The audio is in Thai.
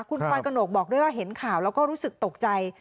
คุณพลอยกระหนกบอกด้วยว่าเห็นข่าวแล้วก็รู้สึกตกใจ